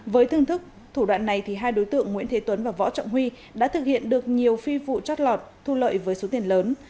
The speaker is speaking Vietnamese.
với thương thức thủ đoạn này hai đối tượng nguyễn thế tuấn và võ trọng huy đã thực hiện được nhiều phi vụ chót lọt thu lợi với số tiền lớn